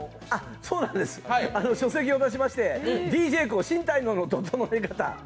そうなんです、書籍を出しまして「ＤＪＫＯＯ心、体、脳の整え方」